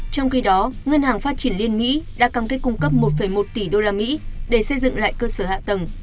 trong khi đó ngân hàng phát triển liên mỹ đã cam kết cung cấp một một tỷ usd để xây dựng lại cơ sở hạ tầng